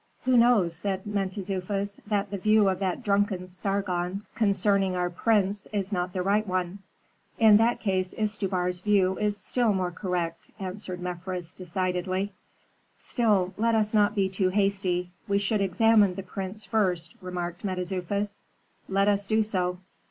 "Who knows," said Mentezufis, "that the view of that drunken Sargon concerning our prince is not the right one?" "In that case Istubar's view is still more correct," answered Mefres, decidedly. "Still, let us not be too hasty. We should examine the prince first," remarked Mentezufis. "Let us do so."